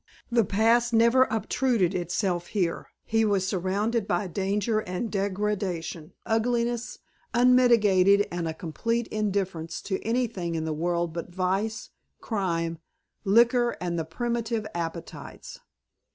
The past never obtruded itself here. He was surrounded by danger and degradation, ugliness unmitigated, and a complete indifference to anything in the world but vice, crime, liquor and the primitive appetites.